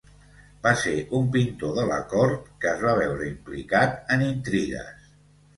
Va ser un pintor de la cort que es va veure implicat en intrigues.